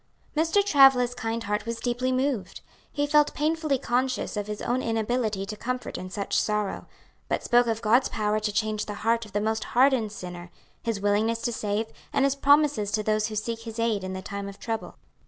Mr. Travilla's kind heart was deeply moved. He felt painfully conscious of his own inability to comfort in such sorrow; but spoke of God's power to change the heart of the most hardened sinner, his willingness to save, and his promises to those who seek his aid in the time of trouble.